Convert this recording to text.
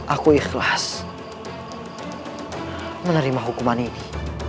aku ikhlas menerima hukuman ini